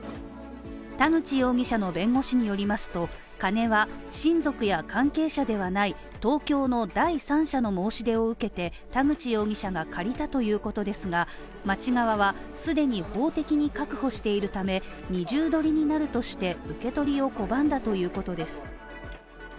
田口容疑者の弁護士によりますと、金は親族や関係者ではない東京の第三者の申し出を受けて、田口容疑者が借りたということですが、町側は既に法的に確保しているため、二重取りになるとして、受け取りを拒んだということです。